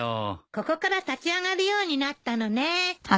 ここから立ち上がるようになったのね。